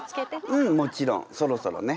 うんもちろんそろそろね。